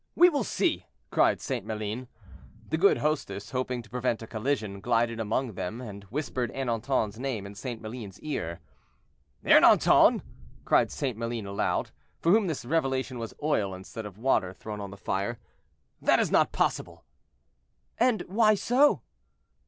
We will see!" cried St. Maline. The good hostess, hoping to prevent a collision, glided among them, and whispered Ernanton's name in St. Maline's ear. "Ernanton!" cried St. Maline, aloud, for whom this revelation was oil instead of water thrown on the fire, "that is not possible."—"And why so?"